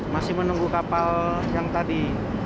masih menunggu kapal yang tadi